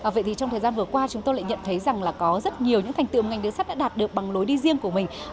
vậy thì trong thời gian vừa qua chúng tôi lại nhận thấy rằng là có rất nhiều những thành tựu mà ngành đường sắt đã đạt được bằng lối đi riêng của mình